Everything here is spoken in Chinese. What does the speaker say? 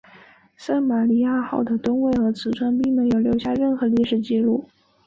圣玛利亚号的吨位和尺寸并没有留下任何历史记录。